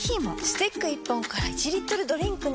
スティック１本から１リットルドリンクに！